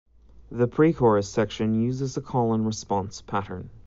The pre-chorus section uses a call and response pattern.